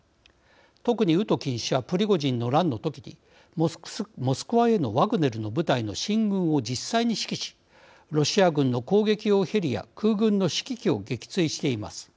特にウトキン氏はプリゴジンの乱の時にモスクワへのワグネルの部隊の進軍を実際に指揮しロシア軍の攻撃用ヘリや空軍の指揮機を撃墜しています。